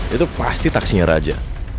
itu pasti taksinya raja